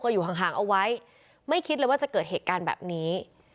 อยู่ห่างเอาไว้ไม่คิดเลยว่าจะเกิดเหตุการณ์แบบนี้